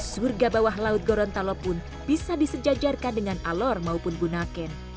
surga bawah laut gorontalo pun bisa disejajarkan dengan alor maupun bunaken